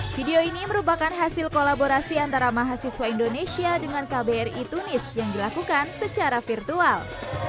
video ini merupakan hasil kolaborasi antara mahasiswa indonesia dengan kbri tunis yang dilakukan secara virtual